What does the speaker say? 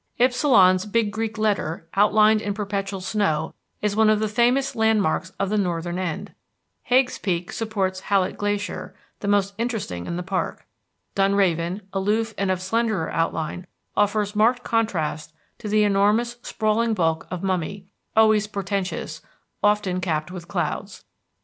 Ypsilon's big Greek letter, outlined in perpetual snow, is one of the famous landmarks of the northern end. Hagues Peak supports Hallett Glacier, the most interesting in the park. Dunraven, aloof and of slenderer outline, offers marked contrast to the enormous sprawling bulk of Mummy, always portentous, often capped with clouds.